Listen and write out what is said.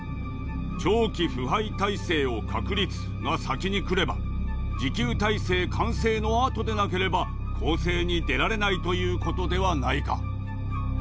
「長期不敗体制を確立」が先に来れば持久体制完成の後でなければ攻勢に出られないという事ではないか。